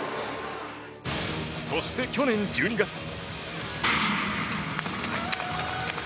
そして去年１２月。